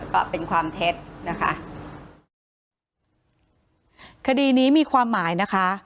ก็เป็นความเท็จนะคะคดีนี้มีความหมายนะคะ